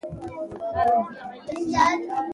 د مصر واک د بنی اسرائیلو په لاس کې شو.